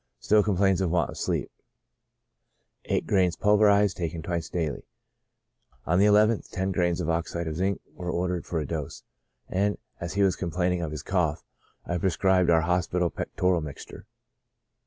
Still complains of want of sleep. P. gr.viij, bis die." On the nth, ten grains of oxide of zinc were ordered for a dose, and, as he was com plaining of his cough, I prescribed our hospital pectoral mixture.